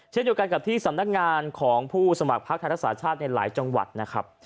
เช่นเดียวกันกับที่สำนักงานของผู้สมัครพักไทยรักษาชาติในหลายจังหวัดนะครับ